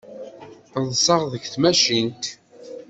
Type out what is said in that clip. Ḍḍseɣ deg tmacint.